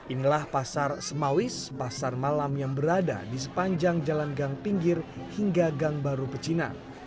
inilah pasar semawis pasar malam yang berada di sepanjang jalan gang pinggir hingga gang baru pecina